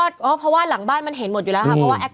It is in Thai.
เพราะว่าหลังบ้านมันเห็นหมดอยู่แล้วค่ะ